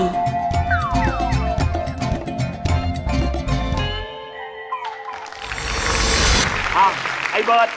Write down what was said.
รายการต่อไปนี้เป็นรายการทั่วไปสามารถรับชมได้ทุกวัย